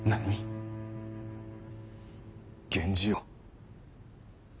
源氏よ。